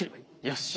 よし！